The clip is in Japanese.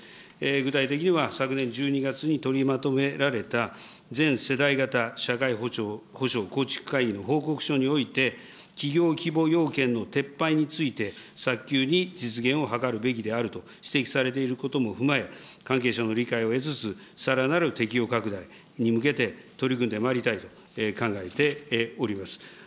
具体的には、昨年１２月に取りまとめられた全世代型社会保障構築会議の報告書において、企業規模要件の撤廃について早急に実現を図るべきであると指摘されていることも踏まえ、関係省庁の理解を得つつ、さらなる適用拡大に向けて、取り組んでまいりたいと考えております。